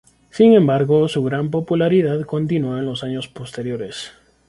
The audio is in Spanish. Sin embargo, su gran popularidad continuó en los años posteriores.